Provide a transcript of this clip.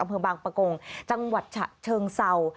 อำเภอบางประกงจังหวัดฉะเชิงเศร้า